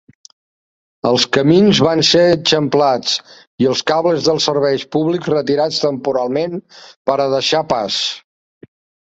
Els camins van ser eixamplats i els cables dels serveis públics retirats temporalment per a deixar pas.